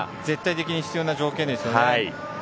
絶対的に必要な条件ですよね。